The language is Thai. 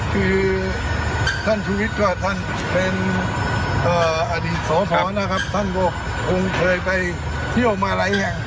คือท่านชุวิตก็ท่านเป็นอดีตสอสอนะครับท่านก็คงเคยไปเที่ยวมาหลายอย่าง